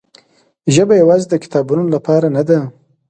ژبه یوازې د کتابونو لپاره نه ده.